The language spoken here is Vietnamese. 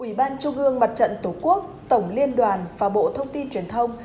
ủy ban trung ương mặt trận tổ quốc tổng liên đoàn và bộ thông tin truyền thông